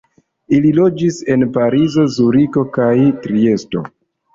Ili loĝis en Parizo, Zuriko kaj Triesto.